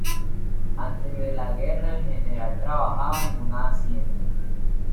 Antes de la guerra, el General trabajaba una Hacienda.